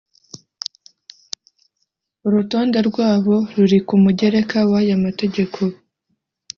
Urutonde rwabo ruri ku mugereka w aya mategeko